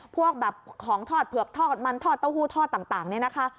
พวกแบบของทอดเผือกทอดมันทอดเต้าหู้ทอดต่างเนี่ยนะคะ